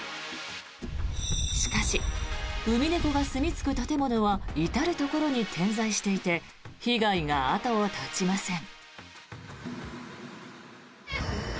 しかしウミネコがすみ着く建物は至るところに点在していて被害が後を絶ちません。